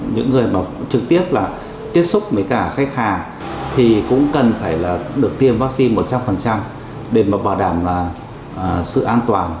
những người mà trực tiếp là tiếp xúc với cả khách hàng thì cũng cần phải là được tiêm vaccine một trăm linh để mà bảo đảm là sự an toàn